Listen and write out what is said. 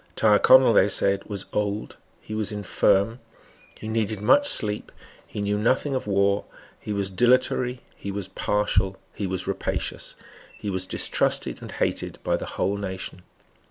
Tyrconnel, they said, was old; he was infirm; he needed much sleep; he knew nothing of war; he was dilatory; he was partial; he was rapacious; he was distrusted and hated by the whole nation.